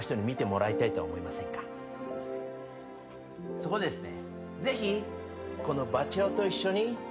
そこでですね。